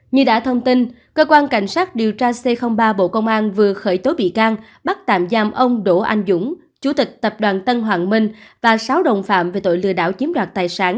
như đã thông tin cơ quan cảnh sát điều tra c ba bộ công an vừa khởi tố bị can bắt tạm giam ông đỗ anh dũng chủ tịch tập đoàn tân hoàng minh và sáu đồng phạm về tội lừa đảo chiếm đoạt tài sản